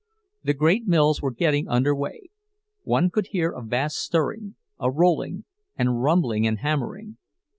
The great mills were getting under way—one could hear a vast stirring, a rolling and rumbling and hammering.